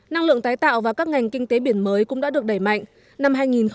năng lượng tái tạo và các ngành kinh tế biển mới cũng đã được đẩy mạnh